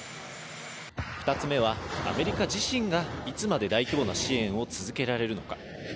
２つ目は、アメリカ自身がいつまで大規模な支援を続けられるのか。